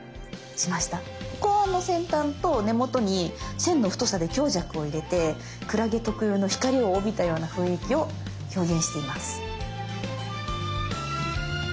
先端と根元に線の太さで強弱を入れてクラゲ特有の光を帯びたような雰囲気を表現しています。